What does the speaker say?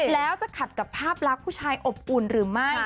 แล้วจะขัดกับภาพลักษณ์ผู้ชายอบอุ่นหรือไม่